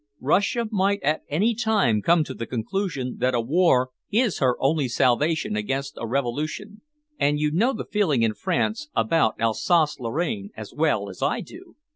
Russia might at any time come to the conclusion that a war is her only salvation against a revolution, and you know the feeling in France about Alsace Lorraine as well as I do.